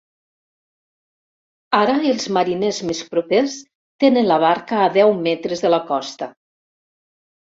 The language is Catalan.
Ara els mariners més propers tenen la barca a deu metres de la costa.